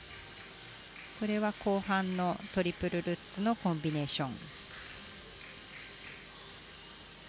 これは後半のトリプルルッツのコンビネーション。